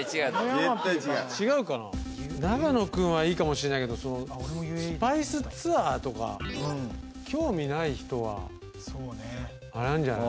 絶対違うだろ長野君はいいかもしれないけどスパイスツアーとか興味ない人はそうねあれなんじゃない？